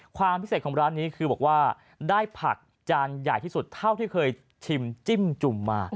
ความพิเศษของร้านนี้คือบอกว่าได้ผักจานใหญ่ที่สุดเท่าที่เคยชิมจิ้มจุ่มมา